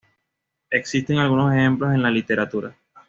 Existen algunos ejemplos en la literatura.